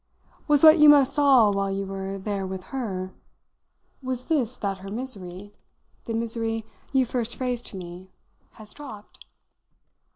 "Was what you most saw while you were there with her was this that her misery, the misery you first phrased to me, has dropped?"